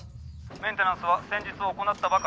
メンテナンスは先日行ったばかり。